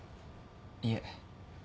いえ。